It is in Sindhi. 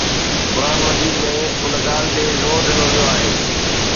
قرآن مجيد ۾ ان ڳالهه تي زور ڏنو ويو آهي